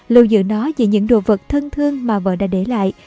lưu giữ nó vì những đồ vật thân thương mà vợ đã để lại